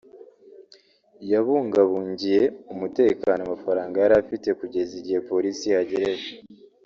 yabungabungiye umutekano amafaranga yari afite kugeza igihe Polisi ihagereye